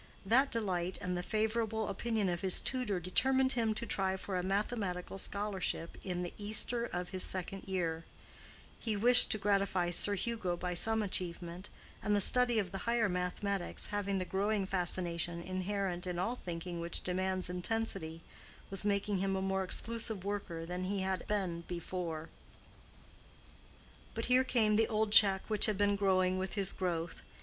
That delight, and the favorable opinion of his tutor, determined him to try for a mathematical scholarship in the Easter of his second year: he wished to gratify Sir Hugo by some achievement, and the study of the higher mathematics, having the growing fascination inherent in all thinking which demands intensity, was making him a more exclusive worker than he had been before. But here came the old check which had been growing with his growth.